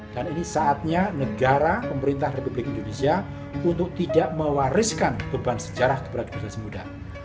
dan ini saatnya negara pemerintah republik indonesia untuk tidak mewariskan beban sejarah kepada negara semuda